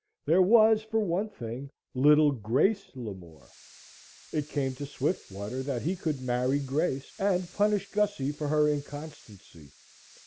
There was, for one thing, little Grace Lamore. It came to Swiftwater that he could marry Grace and punish Gussie for her inconstancy.